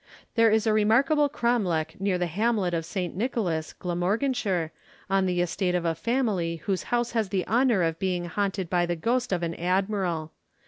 There is a remarkable cromlech near the hamlet of St. Nicholas, Glamorganshire, on the estate of the family whose house has the honour of being haunted by the ghost of an admiral.